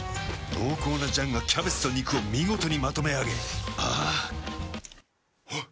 濃厚な醤がキャベツと肉を見事にまとめあげあぁあっ。